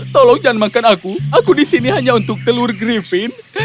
tolong jangan makan aku aku di sini hanya untuk telur grifin